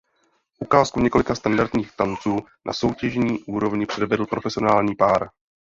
Ukázku několika standardních tanců na soutěžní úrovni předvedl profesionální pár.